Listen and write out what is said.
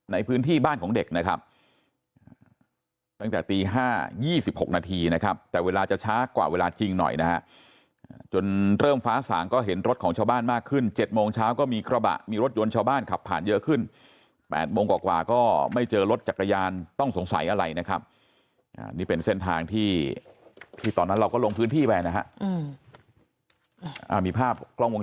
ในพื้นที่บ้านของเด็กนะครับตั้งแต่ตี๕๒๖นาทีนะครับแต่เวลาจะช้ากว่าเวลาจริงหน่อยนะฮะจนเริ่มฟ้าสางก็เห็นรถของชาวบ้านมากขึ้น๗โมงเช้าก็มีกระบะมีรถยนต์ชาวบ้านขับผ่านเยอะขึ้น๘โมงกว่าก็ไม่เจอรถจักรยานต้องสงสัยอะไรนะครับนี่เป็นเส้นทางที่ตอนนั้นเราก็ลงพื้นที่ไปนะฮะมีภาพกล้องวง